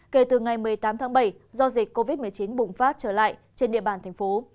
kể từ ngày một mươi tám tháng bảy do dịch covid một mươi chín bùng phát trở lại trên địa bàn thành phố